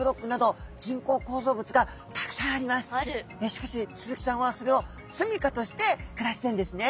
しかしスズキちゃんはそれを住みかとして暮らしてるんですね。